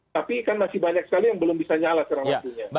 tapi kan masih banyak sekali yang belum bisa nyala